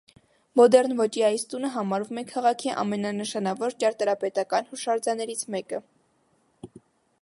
Մոդեռն ոճի այս տունը համարվում է քաղաքի ամենանշանավոր ճարտարապետական հուշարձաններից մեկը։